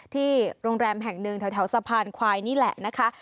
ที่โรงแรมแห่งหนึ่งแถวสะพานควายนี่แหละนะคะ